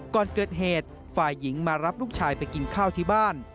ก่อนเกิดเหตุฝ่ายหญิงมารับลูกชายไปกินข้าวที่บ้าน